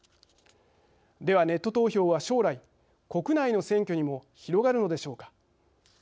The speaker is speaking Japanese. では、ネット投票は将来、国内の選挙にも広がるのでしょうか。